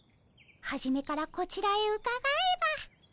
はじめからこちらへうかがえば。